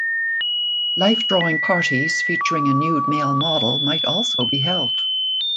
Life drawing parties featuring a nude male model might also be held.